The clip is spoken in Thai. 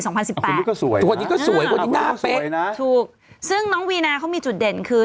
อันนี้ก็สวยคนนี้ก็สวยคนนี้หน้าเป๊ะเลยนะถูกซึ่งน้องวีนาเขามีจุดเด่นคือ